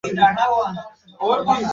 Hannah এত দেরি কিসের?